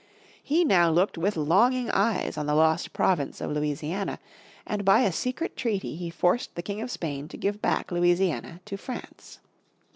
He now looked with longing eyes on the lost province of Louisiana, and by a secret treaty he forced the King of Spain to give back Louisiana to France.